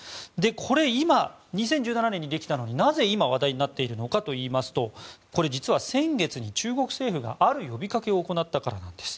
これ、２０１７年にできたのになぜ今、話題になっているのかといいますと先月に中国政府がある呼びかけを行ったからなんです。